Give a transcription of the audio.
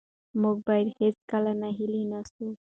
موږ باید هېڅکله ناهیلي نه سو.